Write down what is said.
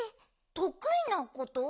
とくいなこと？